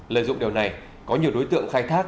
lợi dụng điều này có nhiều đối tượng khai thác